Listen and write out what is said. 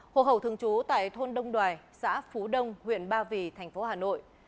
hộ hậu thường trú tại thôn đông đoài xã phú đông huyện ba vì thành phố hà nội